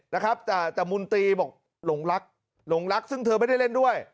นะครับแต่แต่มุนตรีบอกหลงรักหลงรักซึ่งเธอไม่ได้เล่นด้วย